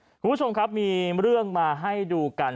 คุณผู้ชมครับมีเรื่องมาให้ดูกัน